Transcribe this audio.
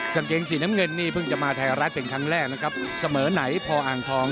กางเกงสีน้ำเงินนี่เพิ่งจะมาไทยรัฐเป็นครั้งแรกนะครับเสมอไหนพออ่างทอง